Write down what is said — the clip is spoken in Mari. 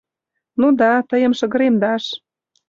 — Ну да... тыйым шыгыремдаш.